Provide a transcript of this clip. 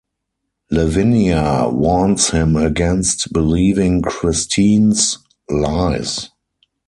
Lavinia warns him against believing Christine's lies.